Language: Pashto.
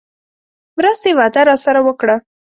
مرستې وعده راسره وکړه.